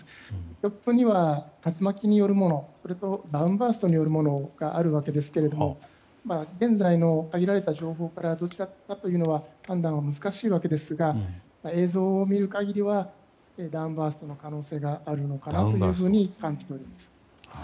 突風には、竜巻によるものとダウンバーストによるものがあるわけですが現在の限られた情報からどちらかという判断は難しいわけですが映像を見る限りはダウンバーストの可能性があると感じております。